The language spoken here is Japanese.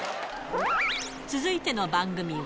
続いての番組は。